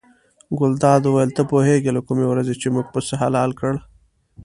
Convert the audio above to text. ګلداد وویل ته پوهېږې له کومې ورځې چې موږ پسه حلال کړ.